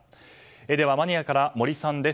では、マニラから森さんです。